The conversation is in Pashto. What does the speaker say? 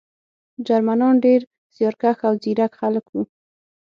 جرمنان ډېر زیارکښ او ځیرک خلک وو